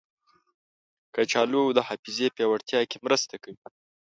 کچالو د حافظې پیاوړتیا کې مرسته کوي.